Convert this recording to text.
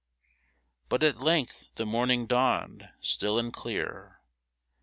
" But at length the morning dawnedj Still and clear